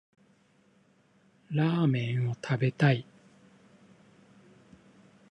ラーメンを食べたい。